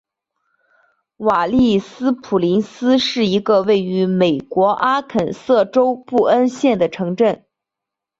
瓦利斯普林斯是一个位于美国阿肯色州布恩县的城镇。